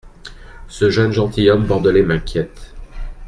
Ce jeune gentilhomme bordelais m’inquiète.